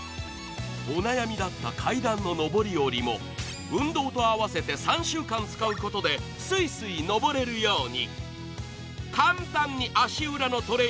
お悩みだった階段の上り下りも運動と合わせて３週間使うことでスイスイ上れるように。